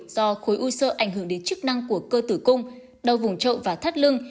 do khối u sơ ảnh hưởng đến chức năng của cơ tử cung đau vùng trội và thắt lưng